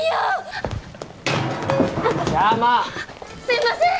すいません！